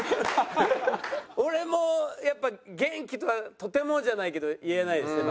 俺もやっぱ元気とはとてもじゃないけど言えないですね。